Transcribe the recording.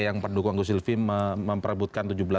yang pendukung anggo silvi memperebutkan